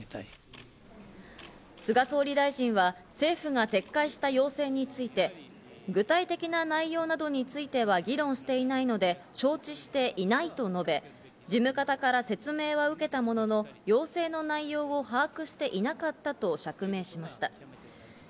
菅総理大臣は政府が撤回した要請について、具体的な内容等については議論していないので承知していないと述べ、事務方から説明は受けたものの、要請の内容を把握していなかったと釈明しました。